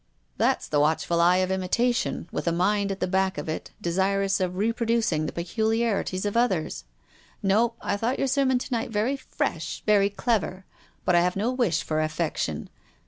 " That's the watchful eye of imitation, with a mind at the back of it, desirous of reproducing the peculiarities of others. No, I thought your sermon to night very fresh, very clever. But I have no wish for affection.